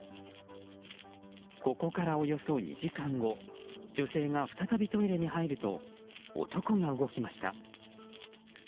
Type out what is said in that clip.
ここからおよそ２時間後女性が再びトイレに入ると男が動きました。